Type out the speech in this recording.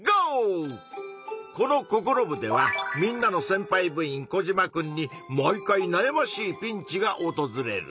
このココロ部ではみんなのせんぱい部員コジマくんに毎回なやましいピンチがおとずれる。